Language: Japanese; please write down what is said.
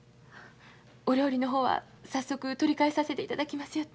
お料理の方は早速取り替えさせていただきます